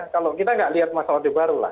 kalau kita tidak lihat masa odeh baru lah